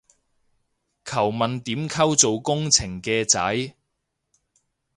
求問點溝做工程嘅仔